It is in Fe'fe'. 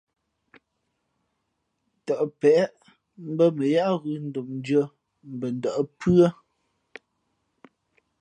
Tαʼ peʼe mbᾱ mα yáá ghʉ̌ ndómndʉ̄ᾱ mbα ndα̌ʼ pʉ́ά.